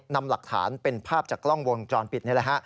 นำหลักฐานเป็นภาพจากกล้องวงจรปิดนี่แหละฮะ